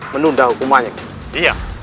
menunda hukumannya ini iya